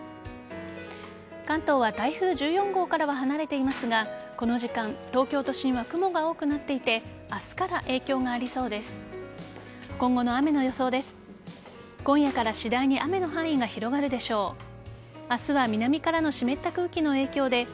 関東は台風１４号からは離れていますがこの時間東京都心は雲が多くなっていて明日から影響がありそうです。